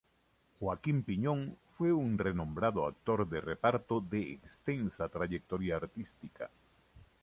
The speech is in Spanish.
Joaquín Piñón fue un renombrado actor de reparto de extensa trayectoria artística.